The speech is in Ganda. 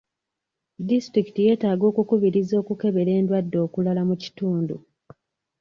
Disitulikiti yetaaga okukubiriza okukebera endwadde okulala mu kitundu.